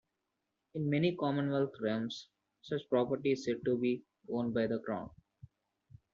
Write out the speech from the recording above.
In many Commonwealth realms, such property is said to be owned by the Crown.